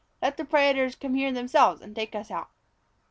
Let the prætors come here themselves and take us out!"